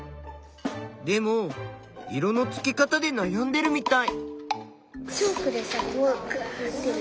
でも色のつけ方でなやんでるみたい。